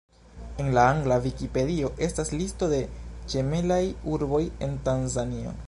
En la angla Vikipedio estas listo de ĝemelaj urboj en Tanzanio.